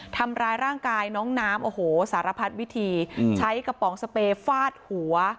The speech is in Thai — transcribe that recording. ทำร้ายร่างกายน้องน้ำโอ้โหสารพัดวิธีใช้กระป๋องสเปรย์ฟาดหัว